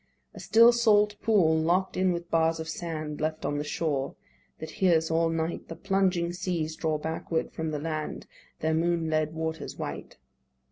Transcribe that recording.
A still salt pool, lock'd in with bars of sand, Left on the shore; that hears all night The plunging seas draw backward from the land Their moon led waters white.